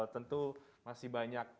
tentu masih banyak